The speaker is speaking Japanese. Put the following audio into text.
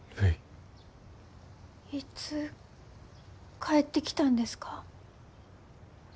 いつ帰ってきたんですか？